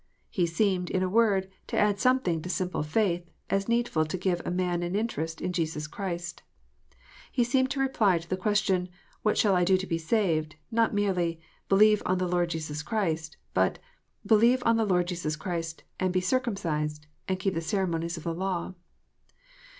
He seemed, in a word, to add something to simple faith as needful to give man an interest in Jesus Christ. He seemed to reply to the ques tion, " What shall I do to be saved 1 " not merely " Believe on the Lord Jesus Christ," but "Believe on the Lord Jesus Christ, and be circumcised, and keep the ceremonies of the law."